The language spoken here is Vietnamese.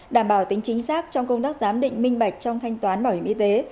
đảm bảo tính chính xác trong công tác giám định minh bạch trong thanh toán bảo hiểm y tế